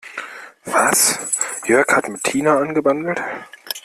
Was, Jörg hat mit Tina angebandelt?